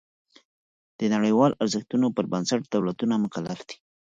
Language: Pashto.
د نړیوالو ارزښتونو پر بنسټ دولتونه مکلف دي.